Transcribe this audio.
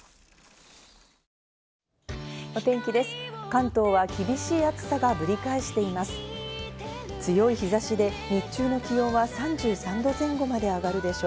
関東は厳しい暑さがぶり返しています。